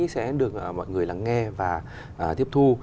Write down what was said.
sẽ được mọi người lắng nghe và tiếp thu